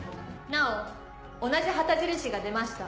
なお同じ旗印が出ました。